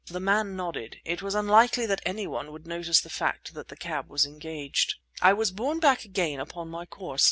The man nodded. It was unlikely that any one would notice the fact that the cab was engaged. I was borne back again upon my course.